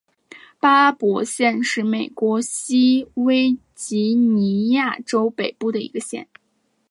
巴伯县是美国西维吉尼亚州北部的一个县。